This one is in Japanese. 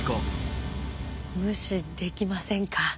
ムシできませんか。